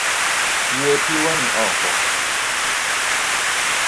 Ywe pi wang'i oko.